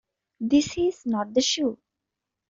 This is not the shoe.